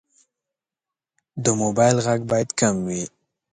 د موبایل غږ باید کم وي.